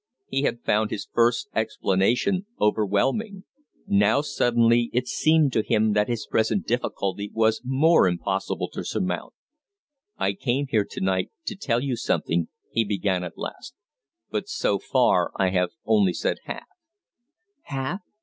He had found his first explanation overwhelming; now suddenly it seemed to him that his present difficulty was more impossible to surmount. "I came here to night to tell you something," he began, at last, "but so far I have only said half " "Half?"